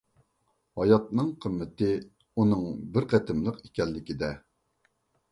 ھاياتنىڭ قىممىتى ئۇنىڭ بىر قېتىملىق ئىكەنلىكىدە.